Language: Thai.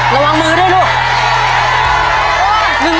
ระวังมือด้วยลูก